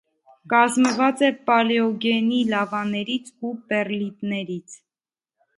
Կազմված է պալեոգենի լավաներից ու պեռլիտներից։